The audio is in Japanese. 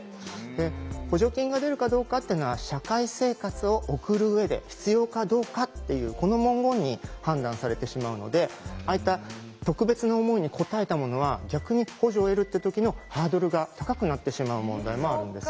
で補助金が出るかどうかっていうのは「社会生活を送る上で必要かどうか」っていうこの文言に判断されてしまうのでああいった特別な思いに応えたものは逆に補助を得るって時のハードルが高くなってしまう問題もあるんですね。